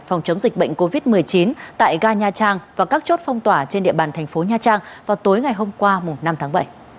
phòng chống dịch bệnh covid một mươi chín tại ga nha trang và các chốt phong tỏa trên địa bàn thành phố nha trang vào tối ngày hôm qua năm tháng bảy